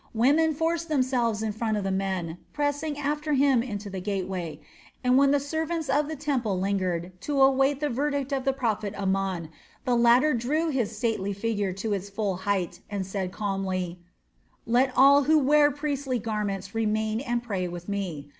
Women forced themselves in front of the men, pressing after him into the gateway, and when the servants of the temple lingered to await the verdict of the prophet of Amon, the latter drew his stately figure to its full height, and said calmly: "Let all who wear priestly garments remain and pray with me.